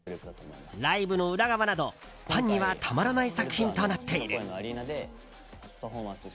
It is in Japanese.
ライブの裏側などファンにはたまらない作品となっている。